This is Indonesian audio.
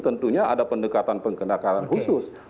tentunya ada pendekatan pengendakalan khusus